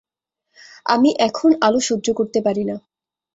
আমি এখন আলো সহ্য করতে পারি না।